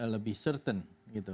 lebih certain gitu